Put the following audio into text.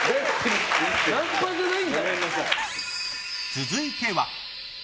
続いては。